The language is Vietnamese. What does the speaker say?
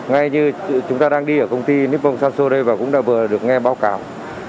các bệnh viện đang đi ở công ty nippon sancho đây và cũng đã vừa được nghe báo cáo